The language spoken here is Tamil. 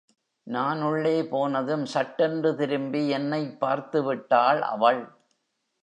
நான் உள்ளே போனதும் சட்டென்று திரும்பி என்னைப் பார்த்து விட்டாள் அவள்.